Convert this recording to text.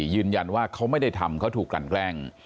ยืนยันว่าเขาไม่ได้ทำเขาถูกกลั่นแกล้ง